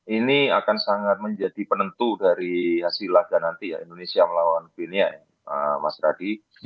ini akan sangat menjadi penentu dari hasil laga nanti ya indonesia melawan dunia ya mas radi